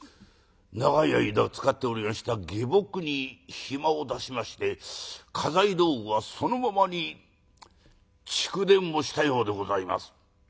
長い間使っておりました下僕に暇を出しまして家財道具はそのままに逐電をしたようでございます」。